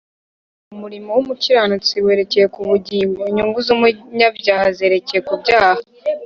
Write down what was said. umurimo w’umukiranumberstsi werekeye ku bugingo, inyungu z’umunyabyaha zerekeye ku byaha